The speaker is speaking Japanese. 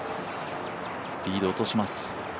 リード、落とします。